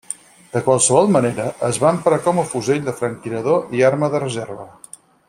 De qualsevol manera, es va emprar com fusell de franctirador i arma de reserva.